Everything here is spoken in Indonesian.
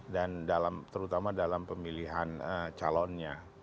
dan terutama dalam pemilihan calonnya